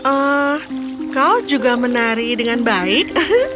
oh kau juga menari dengan baik